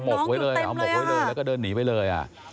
น้องอยู่เต็มเลยอะเอาหมบไว้เลยเอาหมบไว้เลยแล้วก็เดินหนีไว้เลยอะ